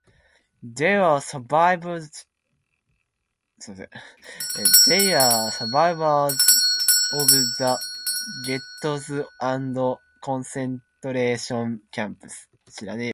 They were survivors of the ghettos and concentration camps.